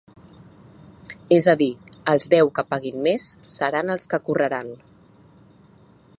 Es a dir, els deu que paguin més seran els que correran.